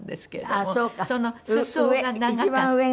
あっそうか。